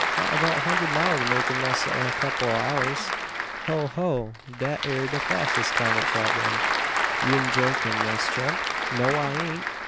Got abeout a hunderd mile to make in less 'an a kupple o' hours." "Ho! ho! Dat ere de fassest kind o' trabbelin'. You 'm jokin', Mass' Tump?" "No, I ain't."